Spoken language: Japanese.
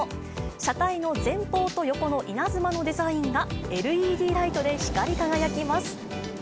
車体の前方と横の稲妻のデザインがＬＥＤライトで光り輝きます。